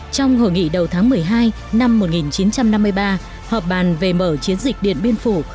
trong hội nghị đầu tháng một mươi hai năm một nghìn chín trăm năm mươi ba họp bàn về mở chiến dịch điện biên phủ